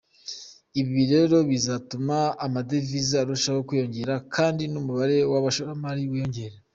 Ibi rero bizatuma amadevise arushaho kwiyongera, kandi n’umubare w’abashoramari wiyongere’’.